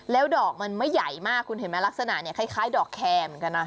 แล้วดอกมันไม่ใหญ่มากคุณเห็นไหมลักษณะเนี่ยคล้ายดอกแคร์เหมือนกันนะ